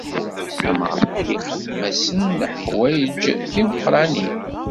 Ameɣlal ixdem-asen leḥwayeǧ timeqrranin.